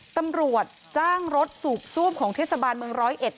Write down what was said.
ตำรวจจ้างรถสูบซ่วมของเทศบาลเมืองร้อยเอ็ด